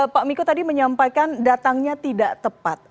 pak miko tadi menyampaikan datangnya tidak tepat